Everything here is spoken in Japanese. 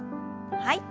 はい。